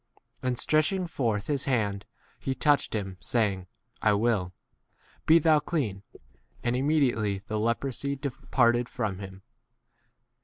And stretching forth his hand he touched him, saying, I will ; be thou clean : and imme diately the leprosy departed from 14 him.